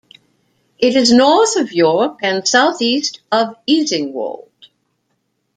It is north of York and south-east of Easingwold.